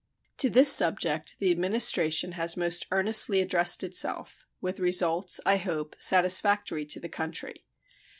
To this subject the Administration has most earnestly addressed itself, with results, I hope, satisfactory to the country.